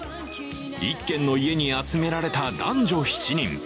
１軒の家に集められた男女７人。